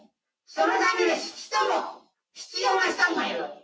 そのために人も、必要な人がいる。